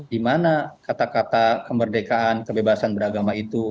di mana kata kata kemerdekaan kebebasan beragama itu